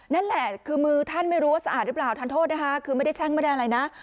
นั่นแหละคือมือท่านไม่รู้ว่าสะอาดหรือเปล่าทานโทษนะคะคือไม่ได้แช่งไม่ได้อะไรนะ